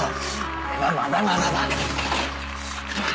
俺はまだまだだ！